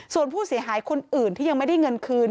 ส่วนผู้เสียหายคนอื่นที่ยังไม่ได้เงินคืน